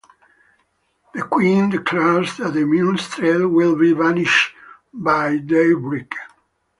The Queen declares that the Minstrel will be banished by daybreak.